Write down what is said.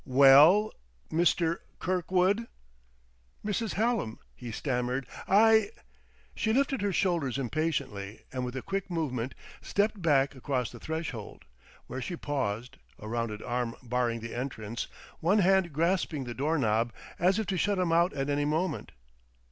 "Well, Mr. Kirkwood?" "Mrs. Hallam," he stammered, "I " She lifted her shoulders impatiently and with a quick movement stepped back across the threshold, where she paused, a rounded arm barring the entrance, one hand grasping the door knob, as if to shut him out at any moment.